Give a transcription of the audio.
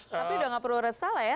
tapi sudah tidak perlu resah lah ya